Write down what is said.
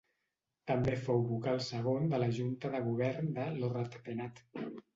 També fou vocal segon de la junta de govern de Lo Rat Penat.